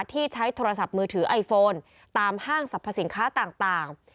ที่ใช้โทรศัพท์มือถือไอโฟนตามห้างสรรพสินค้าต่าง